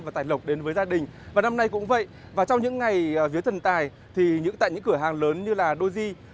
và trong những ngày vía thần tài tại những cửa hàng lớn như doji